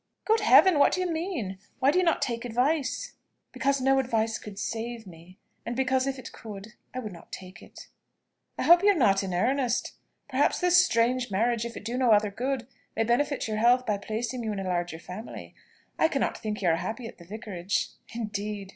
"Good Heaven! what do you mean? Why do you not take advice?" "Because no advice could save me; and because if it could, I would not take it." "I hope you are not in earnest. Perhaps this strange marriage, if it do no other good, may benefit your health by placing you in a larger family. I cannot think you are happy at the Vicarage." "Indeed!"